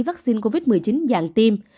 vaccine covid một mươi chín dạng tim